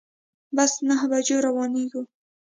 بس نهه بجو روانیږي